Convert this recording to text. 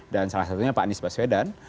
dan salah satunya pak anies baswedan